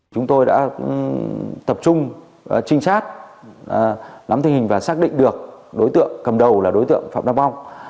chúng tôi đã tập trung trinh sát nắm tình hình và xác định được đối tượng cầm đầu là đối tượng phạm đăng mong